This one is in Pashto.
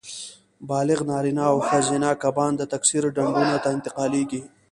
بالغ نارینه او ښځینه کبان د تکثیر ډنډونو ته انتقالېږي.